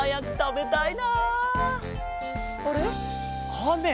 あめ？